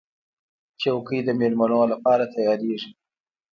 چوکۍ د مېلمنو لپاره تیارېږي.